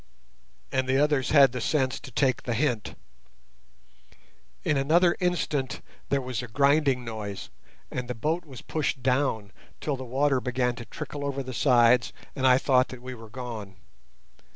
and the others had the sense to take the hint. In another instant there was a grinding noise, and the boat was pushed down till the water began to trickle over the sides, and I thought that we were gone.